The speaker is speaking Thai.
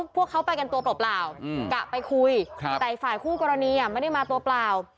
พวกเขาไปกันตัวเปล่ากะไปคุยแต่อีกฝ่ายคู่กรณีไม่ได้มาตัวเปล่า